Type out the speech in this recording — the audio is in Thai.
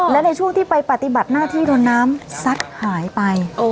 และในช่วงที่ไปปฏิบัติหน้าที่โดนน้ำซัดหายไป